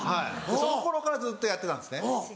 その頃からずっとやってたんですね。